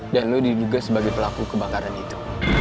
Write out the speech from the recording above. dan lu diduga sebagai pelaku kebakaran itu